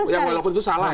yang walaupun itu salah ya